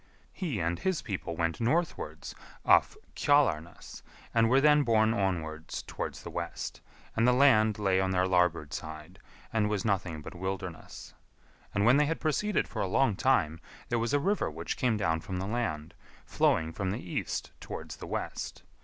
He and his people went northwards off Kjalarnes, and were then borne onwards towards the west, and the land lay on their larboard side, and was nothing but wilderness. And when they had proceeded for a long time, there was a river which came down from the land, flowing from the east towards the west.